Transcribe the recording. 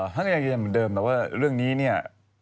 ทั้งนี้ยังเหมือนเดิมแต่ว่าเรื่องนี้เนี่ย